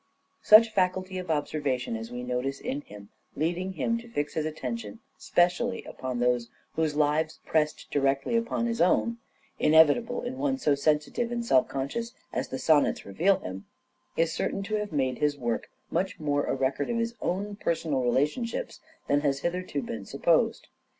Such a faculty of observation as we notice in him, leading him to fix his attention specially upon those whose lives pressed directly upon his own — inevitable in one so sensitive and self conscious as the Sonnets reveal him — is certain to have made his work much more a record of his own personal relationships than has hitherto been supposed.